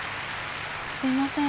すいません。